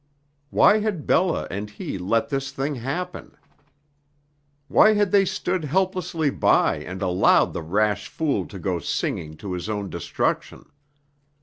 Why had Bella and he let this thing happen? Why had they stood helplessly by and allowed the rash fool to go singing to his own destruction?